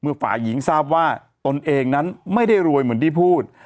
ฝ่ายหญิงทราบว่าตนเองนั้นไม่ได้รวยเหมือนที่พูด